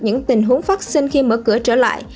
những tình huống phát sinh khi mở cửa trở lại